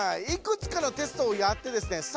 いくつかのテストをやってですね